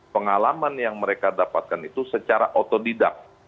pengalaman yang mereka dapatkan itu secara otodidak